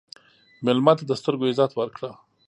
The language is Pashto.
مېلمه ته د سترګو عزت ورکړه.